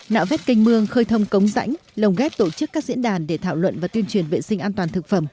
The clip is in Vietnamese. nạo vét canh mương khơi thông cống rãnh lồng ghép tổ chức các diễn đàn để thảo luận và tuyên truyền vệ sinh an toàn thực phẩm